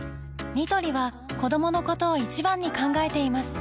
ニトリは子どものことを一番に考えています